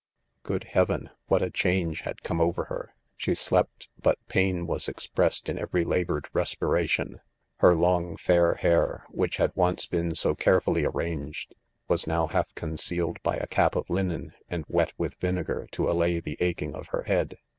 Good heaven, what a change had come over 'her— she slept, b lit pain was . expressed in every laboured respiration. " Her long fair hair, which had once been so carefully arranged, was now half conceal ed hj a cap of Jinen, and wet 'with' vinegar to allay the aching of her head.